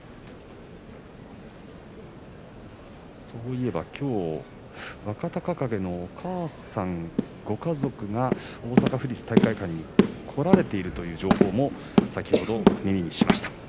そういえばきょう若隆景のお母さん、ご家族が大阪府立体育会館に来られているという情報も先ほど耳にしました。